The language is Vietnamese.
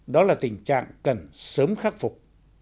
đó là tình trạng cần sớm khắc phục